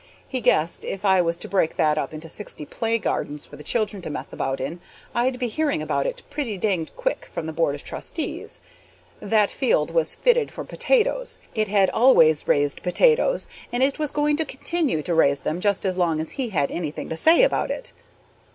He guessed if I was to break that up into play gardens for the children to mess about in, I'd be hearing about it pretty danged quick from the board of trustees. That field was fitted for potatoes, it had always raised potatoes, and it was going to continue to raise them just as long as he had anything to say about it.